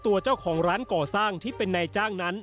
ตัวเจ้าของร้านก่อสร้างที่เป็นนายจ้างนั้น